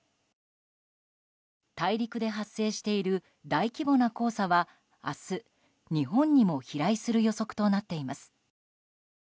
大陸で発生している大規模な黄砂は明日、日本にも飛来する予測となっています。